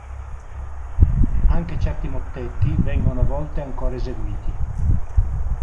Anche certi mottetti vengono a volte ancora eseguiti.